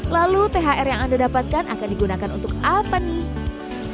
lalu thr yang anda dapatkan akan digunakan untuk apa nih